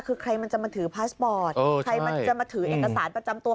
คือใครมันจะมาถือพาสปอร์ตใครมันจะมาถือเอกสารประจำตัว